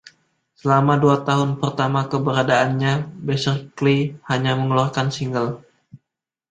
Selama dua tahun pertama keberadaannya, Beserkley hanya mengeluarkan single.